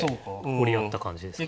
折り合った感じですかね。